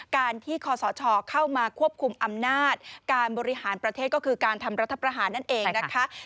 การที่คศเข้ามาควบคุมอำนาจการบริหารประเทศก็คือการทำรัฐประหารนั่นเองนะคะ